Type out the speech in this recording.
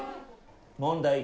問題。